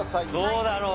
どうだろう